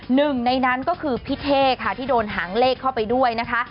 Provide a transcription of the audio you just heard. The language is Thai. หนึ่งในนั้นก็คือพี่เท่ค่ะที่โดนหางเลขเข้าไปด้วยนะคะ